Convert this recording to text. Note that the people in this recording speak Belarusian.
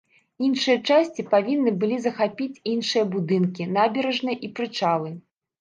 Іншыя часці павінны былі захапіць іншыя будынкі, набярэжныя і прычалы.